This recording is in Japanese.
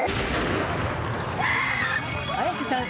綾瀬さん